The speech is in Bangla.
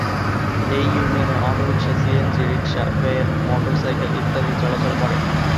এই ইউনিয়নে autorickshaw, CNG, rickshaw, van, motorcycle ইত্যাদি চলাচল করে।